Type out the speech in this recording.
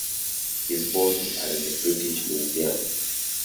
His bones are in the British Museum.